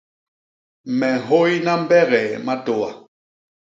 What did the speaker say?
Me nhôyna mbegee matôa.